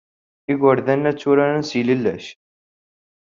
Igerdan la tturaren s yilellac.